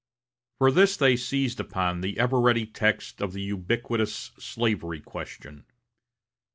For this they seized upon the ever ready text of the ubiquitous slavery question.